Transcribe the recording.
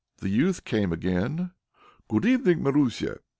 The youth came again. "Good evening, Marusia!"